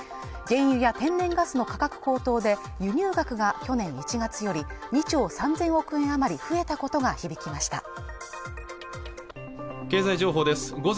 原油や天然ガスの価格高騰で輸入額が去年１月より２兆３０００億円余り増えたことが響きました